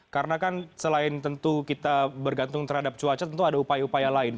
karena kan selain tentu kita bergantung terhadap cuaca tentu ada upaya upaya lain